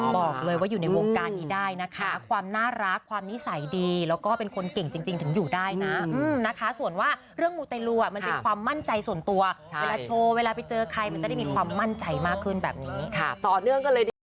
บอกเลยว่าอยู่ในวงการนี้ได้นะคะความน่ารักความนิสัยดีแล้วก็เป็นคนเก่งจริงถึงอยู่ได้นะนะคะส่วนว่าเรื่องมูเตรลูมันเป็นความมั่นใจส่วนตัวเวลาโชว์เวลาไปเจอใครมันจะได้มีความมั่นใจมากขึ้นแบบนี้ค่ะต่อเนื่องกันเลยดีกว่า